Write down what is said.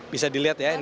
bisa dilihat ya ini